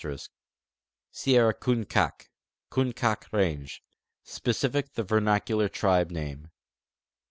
* Sierra Kunkaak' (Kunkaak' range) : Specific the vernacular tribe name.